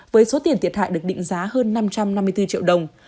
với số tiền thiệt hại được định giá hơn năm trăm năm mươi bốn triệu đồng